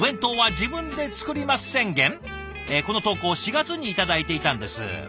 この投稿４月に頂いていたんです。